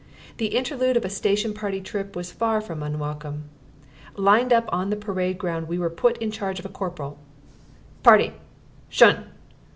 The interlude of a station party trip was far from unwelcome. Lined up on the parade ground we were put in charge of a corporal. "Party, 'shun!